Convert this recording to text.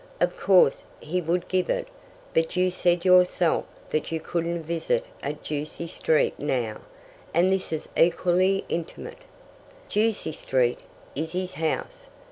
Of course, he would give it, but you said yourself that you couldn't visit at Ducie Street now, and this is equally intimate." "Ducie Street is his house.